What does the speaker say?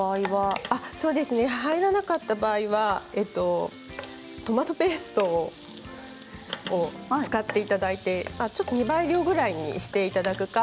手に入らなかった場合はトマトペーストを使っていただいて倍量ぐらいにしていただくか。